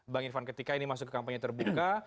bang irvan ketika ini masuk ke kampanye terbuka